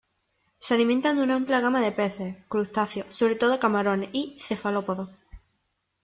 Se alimentan de una amplia gama de peces, crustáceos —sobre todo camarones— y cefalópodos.